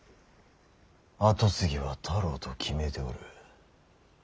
跡継ぎは太郎と決めておる。